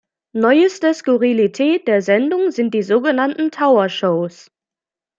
Neueste Skurrilität der Sendung sind die sogenannten „Tower Shows“.